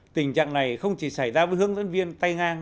tình trạng này không chỉ xảy ra với hướng dẫn viên tai ngang